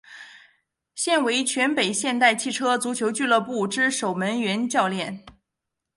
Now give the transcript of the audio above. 现为全北现代汽车足球俱乐部之守门员教练。